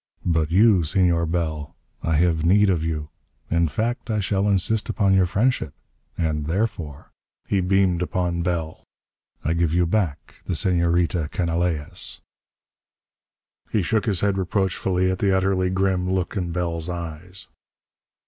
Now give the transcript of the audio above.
"But you, Senor Bell, I have need of you. In fact, I shall insist upon your friendship. And therefore " He beamed upon Bell. "I give you back the Senorita Canalejas." He shook his head reproachfully at the utterly grim look in Bell's eyes.